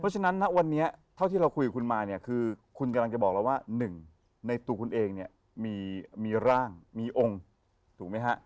เพราะฉะนั้นณวันนี้เท่าที่เราคุยกับคุณมาเนี่ยคือคุณกำลังจะบอกเราว่าหนึ่งในตัวคุณเองเนี่ยมีร่างมีองค์ถูกไหมฮะ